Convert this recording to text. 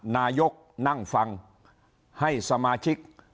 นายกนั่งฟังให้สมาชิก